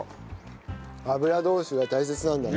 油通しが大切なんだね。